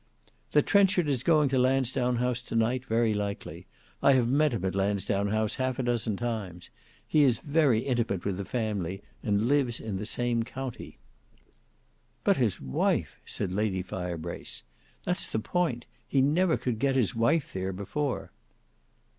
"That Trenchard is going to Lansdowne House to night; very likely. I have met him at Lansdowne House half a dozen times. He is very intimate with the family and lives in the same county." "But his wife," said Lady Firebrace; "that's the point: he never could get his wife there before."